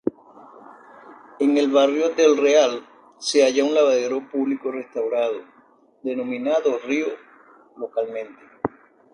En el barrio del Real se halla un lavadero público restaurado, denominado río localmente.